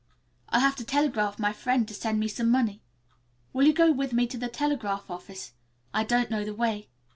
I'll have to telegraph my friend to send me some money. Will you go with me to the telegraph office. I don't know the way.